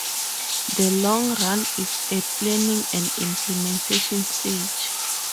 The long run is a planning and implementation stage.